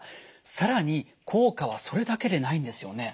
更に効果はそれだけでないんですよね。